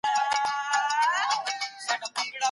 خپل هیواد له نورو ځایونو څخه خوږ دی.